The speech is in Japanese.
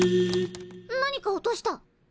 何か落とした。